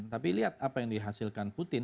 tapi lihat apa yang dihasilkan putin